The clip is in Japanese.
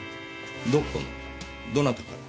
どこのどなたから？